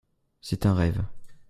C’est un rêve